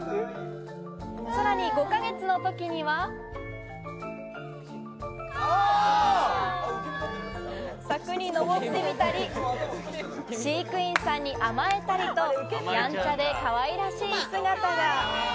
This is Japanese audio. さらに５か月後には、柵に登ってみたり、飼育員さんに甘えたりと、やんちゃでかわいらしい姿が。